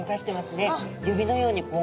指のようにこう。